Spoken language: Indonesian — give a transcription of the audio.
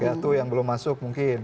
ya itu yang belum masuk mungkin